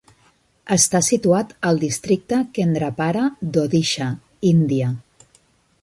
Està situat al districte Kendrapara d"Odisha, India.